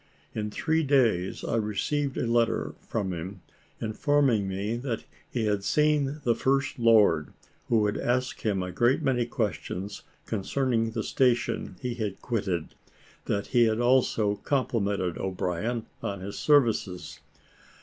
In three days, I received a letter from him, informing me that he had seen the First Lord, who had asked him a great many questions concerning the station he had quitted; that he had also complimented O'Brien on his services.